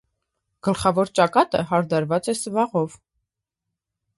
Գլխավոր ճակատը հարդարված է սվաղով։